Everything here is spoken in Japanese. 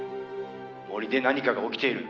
「森で何かが起きている。